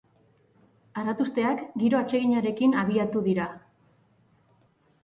Aratusteak giro atseginarekin abiatu dira.